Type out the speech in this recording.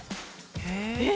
えっ！？